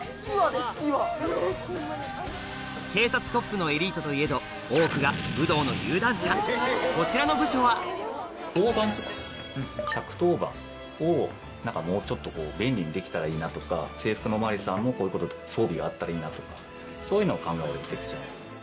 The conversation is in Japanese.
警察トップのエリートといえどこちらの部署は交番とか１１０番をもうちょっと便利にできたらいいなとか制服のお巡りさんも「こういう装備があったらいいな」とかそういうのを考えるセクション。